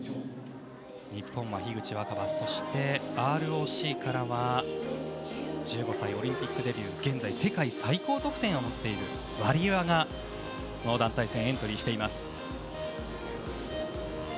日本は樋口新葉そしてＲＯＣからは１５歳オリンピックデビュー現在世界最高得点を持っているワリエワがこの団体戦エントリーしています。